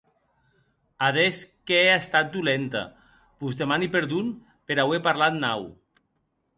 Adés qu’è estat dolenta; vos demani perdon per auer parlat naut.